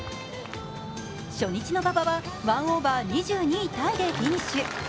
初日の馬場は１オーバー、２２位タイでフィニッシュ。